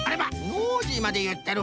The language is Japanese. ノージーまでいってる。